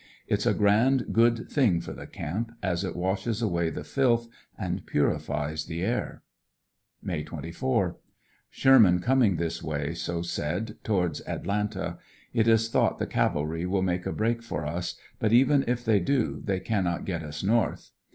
It's a grand good thing for the camp, as it washes away the filth and purifies the air. May 24. — Sherman coming this way, so said, towards Atlanta. It is thought the cavalry will make a break for us, but even if they do they cannot get us north.